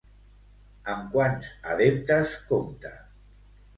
Amb quants adeptes compta?